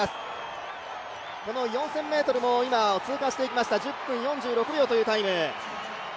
４０００ｍを通過していきました、１０分４６秒というタイム。